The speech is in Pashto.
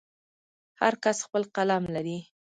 هر کس خپل قلم لري.